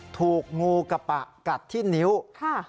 ถูกงูกระปะกัดที่นิ้วค่ะ